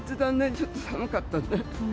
ちょっと寒かったね。